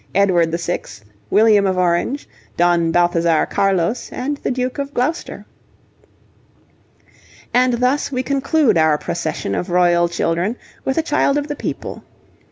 Edward VI., William of Orange, Don Balthazar Carlos, and the Duke of Gloucester. And thus we conclude our procession of royal children with a child of the people.